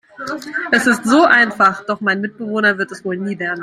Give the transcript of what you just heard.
Es ist so einfach, doch mein Mitbewohner wird es wohl nie lernen.